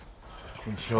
こんにちは。